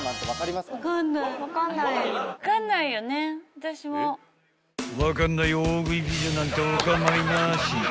［分かんない大食い美女なんてお構いなし］